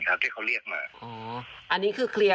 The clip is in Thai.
มันก็มีอยู่แล้วไหมพี่